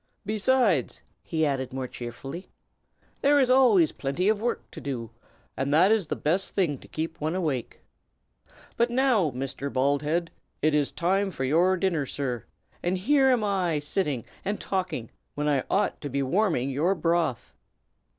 Besides," he added, more cheerfully, "there is always plenty of work to do, and that is the best thing to keep one awake. But now, Mr. Baldhead, it is time for your dinner, sir; and here am I sitting and talking, when I ought to be warming your broth!"